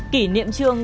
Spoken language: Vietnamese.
kỷ niệm trương